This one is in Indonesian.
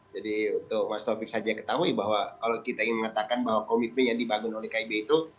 jadi untuk mas topik saja ketahui bahwa kalau kita ingin mengatakan bahwa komitmen yang dibangun oleh kib itu